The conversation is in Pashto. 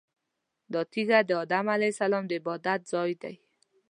دا تیږه د ادم علیه السلام د عبادت ځای دی.